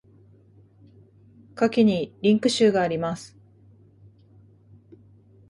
下記にリンク集があります。